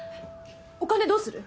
お金どうする？